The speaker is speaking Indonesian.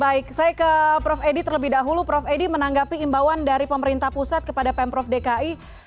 baik saya ke prof edi terlebih dahulu prof edi menanggapi imbauan dari pemerintah pusat kepada pemprov dki